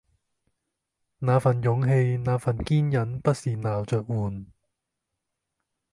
那份勇氣、那份堅忍不是鬧著玩